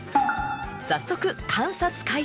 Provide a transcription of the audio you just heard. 早速観察開始。